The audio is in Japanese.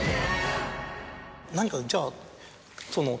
何かじゃあ。